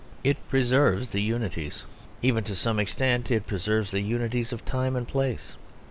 It preserves the unities; even to some extent it preserves the unities of time and place.